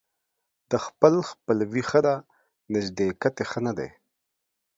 د خپل خپلوي ښه ده ، نژدېکت يې ښه نه دى.